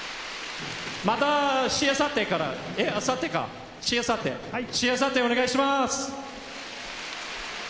またしあさってから、あさってか、しあさって、お願いします。